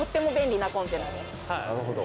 なるほど。